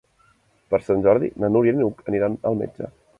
Per Sant Jordi na Núria i n'Hug aniran al metge.